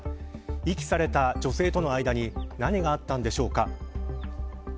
遺棄された女性との間に何があったんでしょうか。